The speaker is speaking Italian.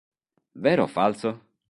Vero o Falso?